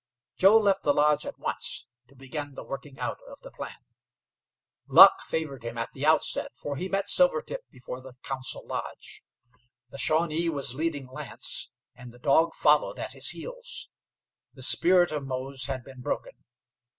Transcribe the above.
Joe left the lodge at once to begin the working out of the plan. Luck favored him at the outset, for he met Silvertip before the council lodge. The Shawnee was leading Lance, and the dog followed at his heels. The spirit of Mose had been broken.